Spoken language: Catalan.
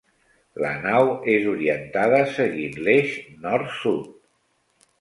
La nau és orientada seguint l'eix nord-sud.